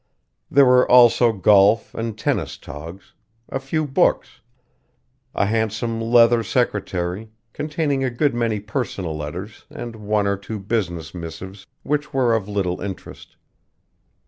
There were also golf and tennis togs; a few books; a handsome leather secretary, containing a good many personal letters and one or two business missives which were of little interest.